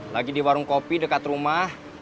lagi di warung kopi dekat rumah